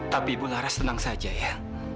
tapi ibu laras tenang saja ya